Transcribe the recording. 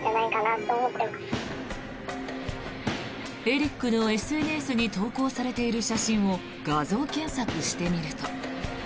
エリックのＳＮＳに投稿されている写真を画像検索してみると。